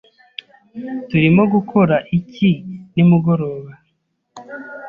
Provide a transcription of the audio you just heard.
Turimo gukora iki nimugoroba?